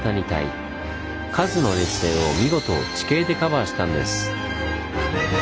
数の劣勢を見事地形でカバーしたんです。